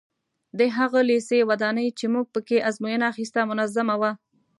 د هغه لېسې ودانۍ چې موږ په کې ازموینه اخیسته منظمه وه.